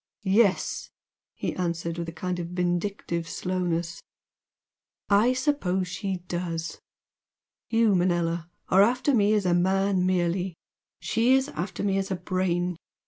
"Yes" he answered with a kind of vindictive slowness "I suppose she does! You, Manella, are after me as a man merely she is after me as a Brain!